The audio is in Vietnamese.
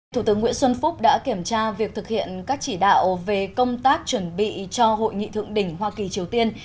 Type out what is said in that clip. thủ tướng nguyễn xuân phúc đã kiểm tra việc thực hiện các chỉ đạo về công tác chuẩn bị cho hội nghị thượng đỉnh hoa kỳ triều tiên